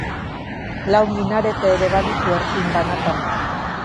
Lau minarete ere baditu erpin banatan.